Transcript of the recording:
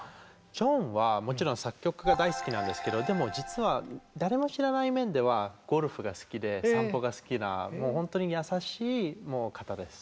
ジョンはもちろん作曲が大好きなんですけどでも実は誰も知らない面ではゴルフが好きで散歩が好きなもう本当に優しい方です。